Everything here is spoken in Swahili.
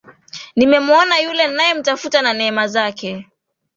Nimemuona yule ninayemtafuta na neema zake.